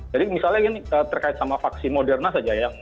jadi misalnya ini terkait sama vaksin moderna saja ya